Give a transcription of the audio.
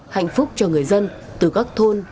hạnh phúc cho người dân từ các thôn